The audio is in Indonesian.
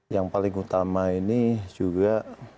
yang paling utama ini juga